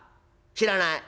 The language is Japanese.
「知らない」。